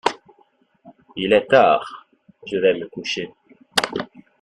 Il est tard, je vais me coucher.